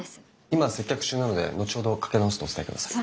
今接客中なので後ほどかけ直すとお伝えください。